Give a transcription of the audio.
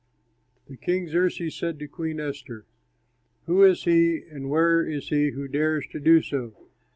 The King Xerxes said to Queen Esther, "Who is he and where is he who dares to do so?"